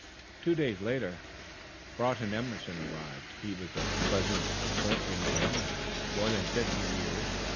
Two days later Broughton Emerson arrived. He was a pleasant, portly man of more than fifty years.